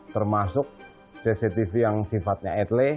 termasuk cctv yang sifatnya atle